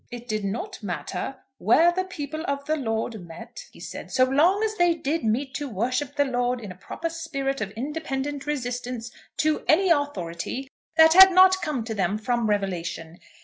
"It did not matter where the people of the Lord met," he said, "so long as they did meet to worship the Lord in a proper spirit of independent resistance to any authority that had not come to them from revelation.